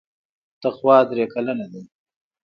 تقوا درې کلنه ده.